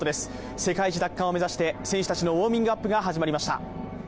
世界一奪還を目指して、選手たちのウォーミングアップが始まりました。